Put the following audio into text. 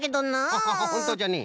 ハハハほんとじゃね。